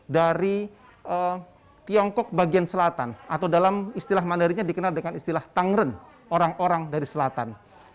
dari tiongkok bagian selatan atau dalam istilah mandarinya dikenal dengan istilah tangren orang orang dari selatan